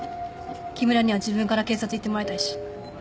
木村には自分から警察行ってもらいたいし。